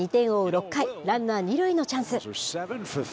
６回、ランナー２塁のチャンス。